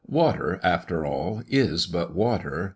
Water, after all, is but water.